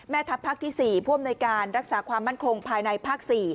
แม่ทัพภาคที่๔พ่วมในการรักษาความมั่นคงภายในภาค๔